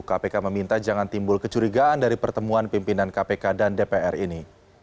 kpk meminta jangan timbul kecurigaan dari pertemuan pimpinan kpk dan dpr ini